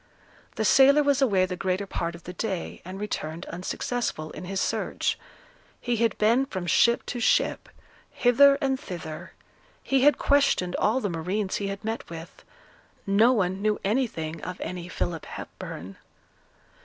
The sailor was away the greater part of the day, and returned unsuccessful in his search; he had been from ship to ship, hither and thither; he had questioned all the marines he had met with, no one knew anything of any Philip Hepburn.